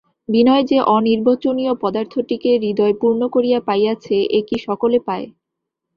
বিনয় যে অনির্বচনীয় পদার্থটিকে হৃদয় পূর্ণ করিয়া পাইয়াছে, এ কি সকলে পায়!